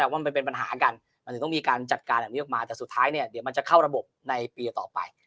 ว่ามันเป็นปัญหากันมันถึงต้องมีการจัดการแบบนี้ออกมาแต่สุดท้ายเนี่ยเดี๋ยวมันจะเข้าระบบในปีต่อไป